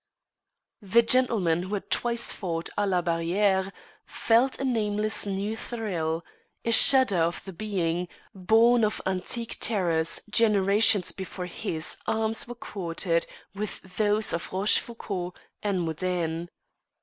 The gentleman who had twice fought à la barrière felt a nameless new thrill, a shudder of the being, born of antique terrors generations before his arms were quartered with those of Rochefoucauld and Modene.